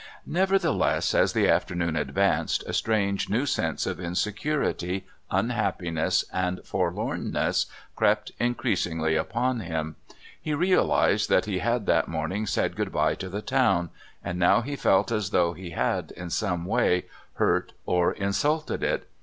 Nevertheless, as the afternoon advanced a strange new sense of insecurity, unhappiness and forlornness crept increasingly upon him. He realised that he had that morning said good bye to the town, and now he felt as though he had, in some way, hurt or insulted it.